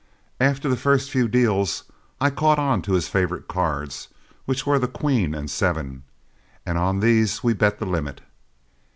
After the first few deals, I caught on to his favorite cards, which were the queen and seven, and on these we bet the limit.